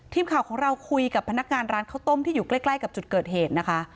ทีมข่าวของเราคุยกับพนักงานร้านข้าวต้มที่อยู่ใกล้กับจุดเกิดเหตุนะคะ